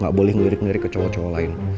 gak boleh ngelirik ngelirik ke cowok cowok lain